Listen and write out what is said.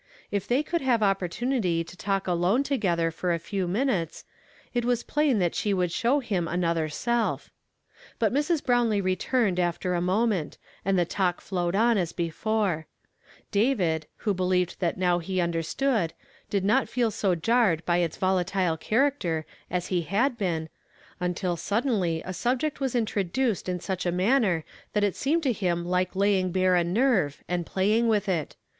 If they could have opportunity to talk alone together for a few minutes, it was plain that slie would show him an other self. But Mrs. Brownlee returned after a moment, and the talk Howed on as before. David, "HEAR YE INDEED, BUT UNDERSTAND NOT." 117 who believed that now he understood, did not feel so jarred by its volatile character as he had been, until suddenly a subject was introduced in such a niainier that it seemed to him like laying bare a nerve and playing with it.